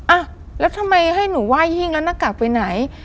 อ่ะแล้วทำไมให้หนูไหว้หิ้งแล้วหน้ากากไปไหน